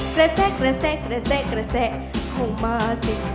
กระแซะกระแซะกระแซะกระแซะเข้ามาสิ